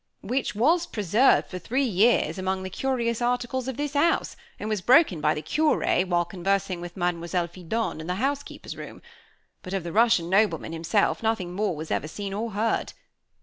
"Which was preserved for three years among the curious articles of this house, and was broken by the curé while conversing with Mademoiselle Fidone in the housekeeper's room; but of the Russian nobleman himself, nothing more was ever seen or heard.